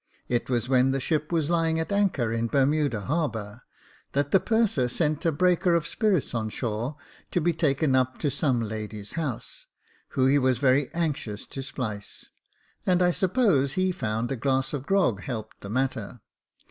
It was when the ship was lying at anchor in Bermuda harbour, that the purser sent a breaker of spirits on shore, to be taken up to some lady's house, whom he was very anxious to splice, and I suppose that he found a glass of grog helped the matter.